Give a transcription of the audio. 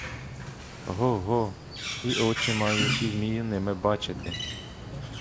Го, го, і очі маю, і вмію ними бачити!